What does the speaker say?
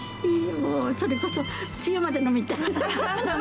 もう、それこそつゆまで飲みたい。